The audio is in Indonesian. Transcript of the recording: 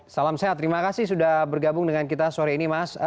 salam sehat terima kasih sudah bergabung dengan kita sore ini mas